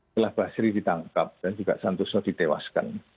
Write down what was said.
setelah basri ditangkap dan juga santoso ditewaskan